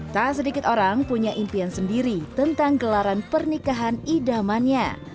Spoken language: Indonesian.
tak sedikit orang punya impian sendiri tentang gelaran pernikahan idamannya